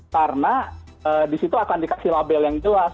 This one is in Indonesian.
karena di situ akan dikasih label yang jelas